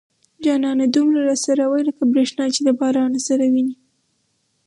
جانانه دومره را سره واي لکه بريښنا چې د بارانه سره وينه